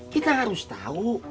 kita harus tau